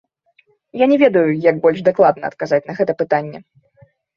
Я не ведаю, як больш дакладна адказаць на гэта пытанне.